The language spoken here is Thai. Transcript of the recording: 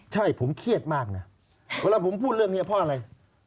ใช่ผมเครียดมากนะเวลาผมพูดเรื่องนี้เพราะอะไร